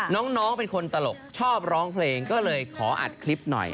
น้องเป็นคนตลกชอบร้องเพลงก็เลยขออัดคลิปหน่อย